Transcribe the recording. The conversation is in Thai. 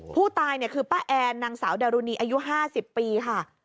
ผู้ตายเนี่ยคือป้าแอนนางสาวดารุณีอายุ๕๐ปีค่ะ